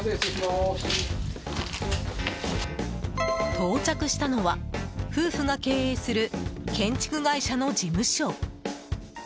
到着したのは夫婦が経営する建築会社の事務所。